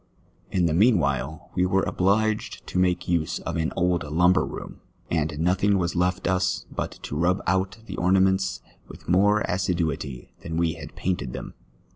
In the mean while we were obli}2jed to make use of an old lumber room, and nothing was left us but to rub out the ornaments with more assiduity than we had painted them.